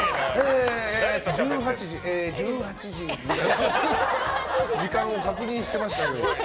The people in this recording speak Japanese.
１８時みたいな時間を確認していましたけど。